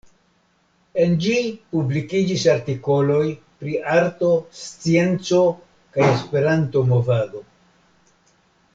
En ĝi publikiĝis artikoloj pri arto, scienco kaj esperanto-movado.